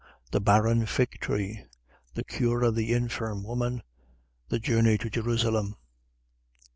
The barren fig tree. The cure of the infirm woman. The journey to Jerusalem.